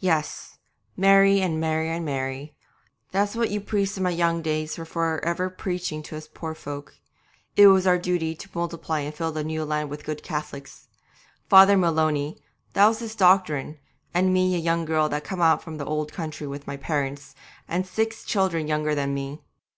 'Yes, marry and marry and marry that's what you priests in my young days were for ever preaching to us poor folk. It was our duty to multiply and fill the new land with good Cath'lics. Father Maloney, that was his doctrine, and me a young girl just come out from the old country with my parents, and six children younger than me.